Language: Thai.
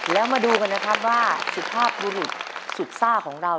แล้วมาดูกันนะครับว่าสุภาพบุรุษสุดซ่าของเรา